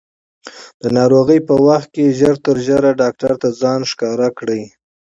د ناروغۍ په وخت کې ژر تر ژره ډاکټر ته ځان ښکاره کړئ.